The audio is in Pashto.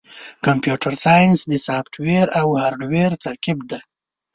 کمپیوټر ساینس د سافټویر او هارډویر ترکیب دی.